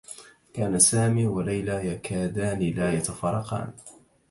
كان سامي و ليلى يكادان لا يتفارقان.